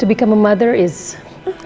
untuk menjadi seorang ibu